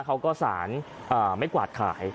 เขาก็สารไม่กวาดขาย